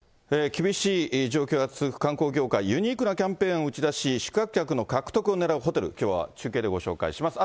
厳しい状況が続く観光業界、ユニークなキャンペーンを打ち出し、宿泊客の獲得をねらうホテル、きょうは中継でご紹介します。